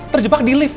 terjebak di lift